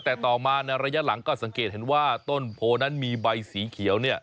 แต่ต่อมาในระยะหลังก็สังเกตเห็นว่าต้นโพนั้นมีใบสีเขียว